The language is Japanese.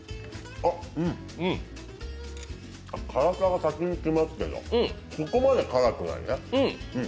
あ、辛さが先に来ますけどそこまで辛くないね。